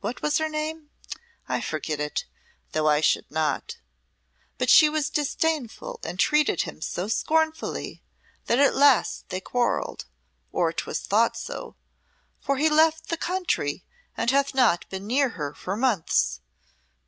What was her name? I forget it, though I should not. But she was disdainful and treated him so scornfully that at last they quarrelled or 'twas thought so for he left the country and hath not been near her for months.